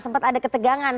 sempat ada ketegangan